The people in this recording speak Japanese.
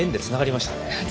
つながりましたね。